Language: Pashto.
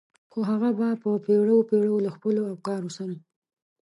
خو هغه به په پېړيو پېړيو له خپلو افکارو سره.